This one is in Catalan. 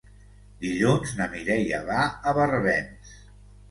Dilluns na Mireia va a Barbens.